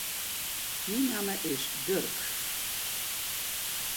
Myn namme is Durk.